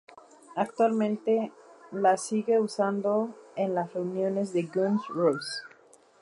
Actualmente la sigue usando en las reuniones de Guns 'n Roses.